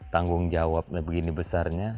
tanggung jawabnya begini besarnya